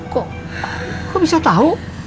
kau bisa tau